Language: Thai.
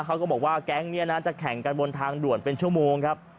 เขาก็บอกว่าแก๊งนี้นะจะแข่งกันบนทางด่วนเป็นชั่วโมงครับ